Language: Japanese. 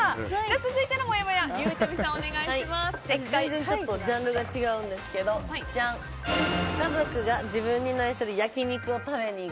続いてのもやもやジャンルが違うんですけど家族が自分に内緒で焼き肉を食べに行く。